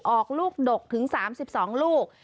ออกลูกดกถึง๓๒ลูก